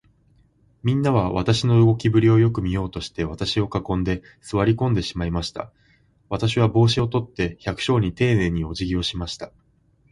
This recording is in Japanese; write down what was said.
みんなは、私の動きぶりをよく見ようとして、私を囲んで、坐り込んでしまいました。私は帽子を取って、百姓にていねいに、おじぎをしました。